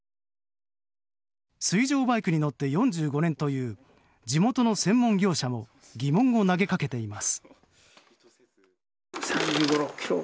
水上バイクに乗って４５年という地元の専門業者も疑問を投げかけています。